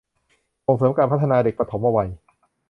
ส่งเสริมการพัฒนาเด็กปฐมวัย